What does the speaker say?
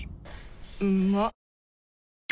うんまっ。